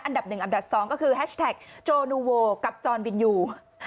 อันดับหนึ่งอันดับสองก็คือแฮชแท็กโจนูโวกับจอนวินยู